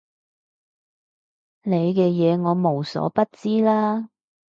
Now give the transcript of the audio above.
你嘅嘢我無所不知啦